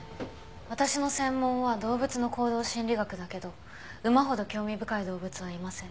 私の専門は動物の行動心理学だけど馬ほど興味深い動物はいません。